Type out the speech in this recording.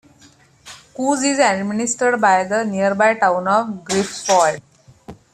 Koos is administered by the nearby town of Greifswald.